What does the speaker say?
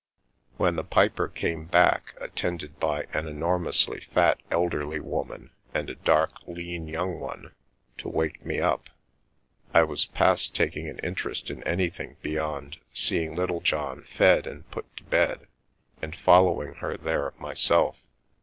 When the piper came back, attended by an enormously fat elderly woman and a dark lean young one, to wake me up, I was past taking an interest in anything beyond seeing Littlejohn fed and put to bed and following her there myself.